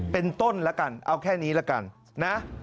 เป็นต้นละกันเอาแค่นี้ละกันนะ